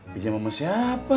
pinjam sama siapa